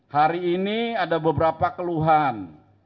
hari ini ada beberapa keluhan